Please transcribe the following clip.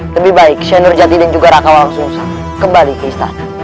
lebih baik syed nurjati dan juga raka wangsungusah kembali ke istana